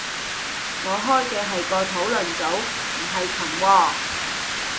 我開嘅係個討論組，唔係群喎